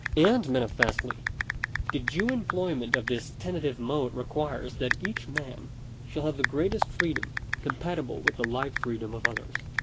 And manifestly, the due employment of this tentative mode requires that each man shall have the greatest freedom compatible with the like free dom of all others.